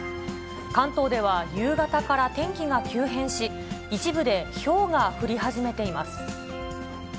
関東では夕方から天気が急変し、一部でひょうが降り始めています。